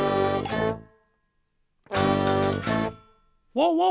ワンワン！